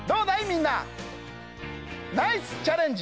みんな！ナイスチャレンジ！